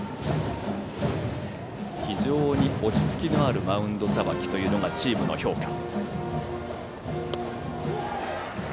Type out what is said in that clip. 非常に落ち着きのあるマウンドさばきというのがチームの評価。